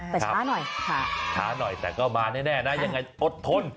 แต่ช้าหน่อยช้าหน่อยแต่ก็มาแน่นะยังไงอดทน